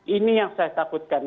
ini yang saya takutkan